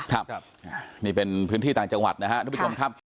ครับนี่เป็นพื้นที่ต่างจังหวัดนะครับทุกผู้ชมครับ